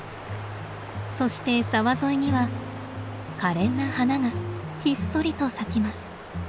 そして沢沿いにはかれんな花がひっそりと咲きます。